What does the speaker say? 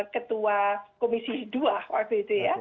ketua komisi dua waktu itu ya